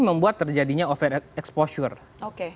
membuat terjadinya over exposure